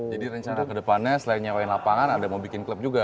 jadi rencana kedepannya selain nyeruain lapangan ada mau bikin klub juga